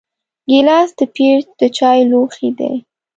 ګیلاس د پیر د چایو لوښی دی.